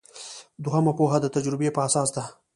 دوهمه پوهه د تجربې په اساس ده.